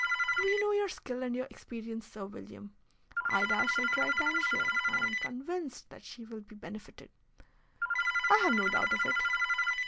"We know your skill and your experience, Sir William. Ida shall try Tangier. I am convinced that she will be benefited." "I have no doubt of it."